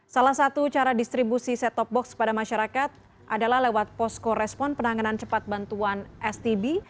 salah satu cara distribusi set top box kepada masyarakat adalah lewat posko respon penanganan cepat bantuan stb